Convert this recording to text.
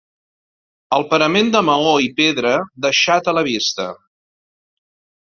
El parament de maó i pedra deixat a la vista.